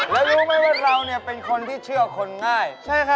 แล้วรู้ไหมว่าเราเป็นคนที่เชื่อคนง่าย